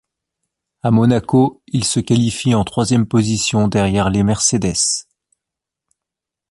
À Monaco, il se qualifie en troisième position derrière les Mercedes.